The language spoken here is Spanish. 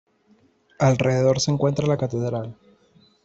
Alrededor se encuentra la catedral.